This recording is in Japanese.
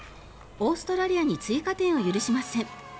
オーストラリアに追加点を許しません。